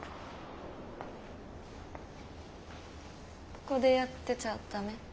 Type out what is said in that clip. ここでやってちゃダメ？